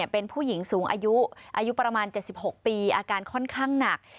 เป็นผู้หญิงสูงอายุอายุประมาณ๗๖ปีอาการค่อนข้างหนัก